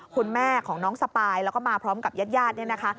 คุณแม่ของน้องสปายแล้วก็มาพร้อมกับญาติญาติเนี่ยนะคะ